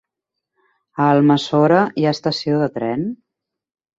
A Almassora hi ha estació de tren?